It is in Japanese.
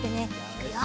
いくよ！